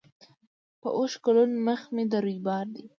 په اوښکو لوند مي مخ د رویبار دی